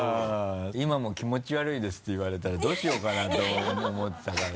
「今も気持ち悪いです」って言われたらどうしようかなと思ってたから。